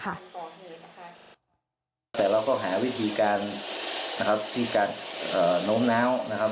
แต่เราก็หาวิธีการนะครับที่จะเอ่อโน้มน้าวนะครับ